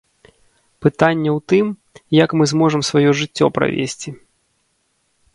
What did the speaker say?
Пытанне ў тым, як мы зможам сваё жыццё правесці.